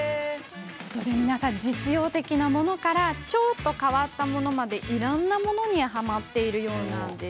皆さん、実用的なものからちょっと変わったものまでいろんなものにはまってるようです。